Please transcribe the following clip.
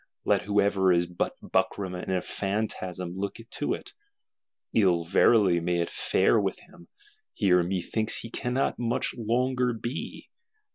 Let whosoever is but buckram and a phantasm look to it: ill verily may it fare with him; here methinks he cannot much longer be.